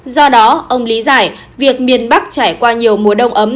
do đó ông lý giải việc miền bắc trải qua nhiều mùa đông ấm